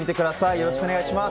よろしくお願いします。